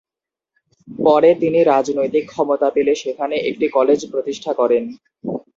পরে তিনি রাজনৈতিক ক্ষমতা পেলে সেখানে একটি কলেজ প্রতিষ্ঠা করেন।